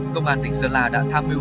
công an tỉnh sơn la đã tham mưu